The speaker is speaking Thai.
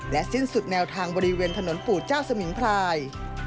สิ้นสุดแนวทางบริเวณถนนปู่เจ้าสมิงพราย